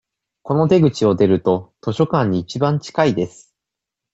この出口を出ると、図書館に一番近いです。